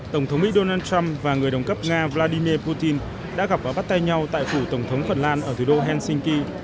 tổng thống mỹ donald trump và người đồng cấp nga vladimir putin đã gặp và bắt tay nhau tại phủ tổng thống phần lan ở thủ đô helsinki